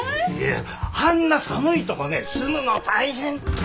あんな寒いとこね住むの大変。